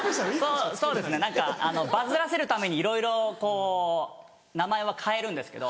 そうですね何かバズらせるためにいろいろこう名前は変えるんですけど。